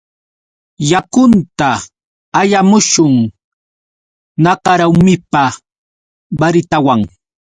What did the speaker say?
Yakunta allamushun. Nakarumipa baritawan